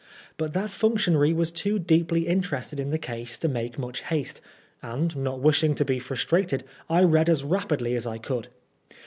But that functionary was too deeply interested in the case to make much haste, and, not wishing to be frustrated, I read as rapidly as I could.